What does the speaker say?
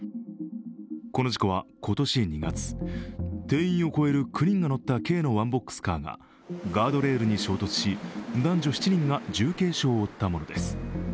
この事故は今年２月定員を超える９人が乗った軽のワンボックスカーがガードレールに衝突し男女７人が重軽傷を負ったものです。